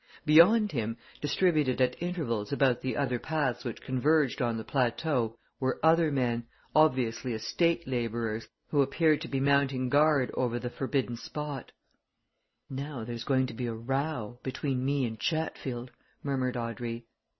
Beyond him, distributed at intervals about the other paths which converged on the plateau were other men, obviously estate labourers, who appeared to be mounting guard over the forbidden spot. "Now there's going to be a row! between me and Chatfield," murmured Audrey.